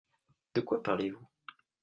De quoi parlez-vous ?